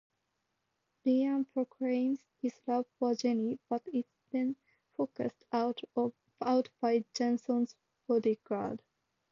Ryan proclaims his love for Jenny but is then forced out by Jason's bodyguard.